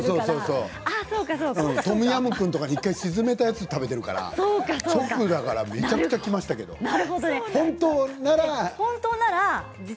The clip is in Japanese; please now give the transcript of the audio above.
トムヤムクンとかに１回沈めたやつを食べているから直だからめちゃめちゃきましたけど本当なら。